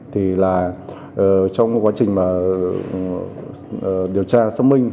thì trong quá trình điều tra xâm minh